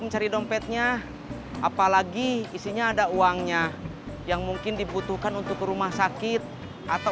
mencari dompetnya apalagi isinya ada uangnya yang mungkin dibutuhkan untuk rumah sakit atau